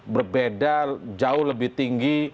berbeda jauh lebih tinggi